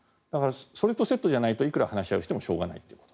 それとセットじゃないといくら話し合いをしてもしょうがない。